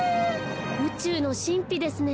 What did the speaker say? うちゅうのしんぴですね。